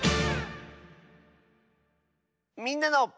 「みんなの」。